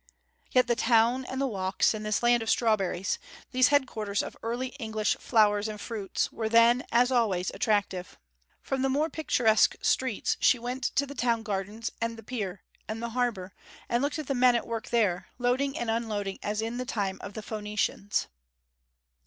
Yet the town and the walks in this land of strawberries, these headquarters of early English flowers and fruit, were then, as always, attractive. From the more picturesque streets she went to the town gardens, and the Pier, and the Harbour, and looked at the men at work there, loading and unloading as in the time of the Phoenicians.